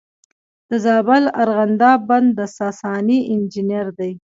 د زابل ارغنداب بند د ساساني انجینر دی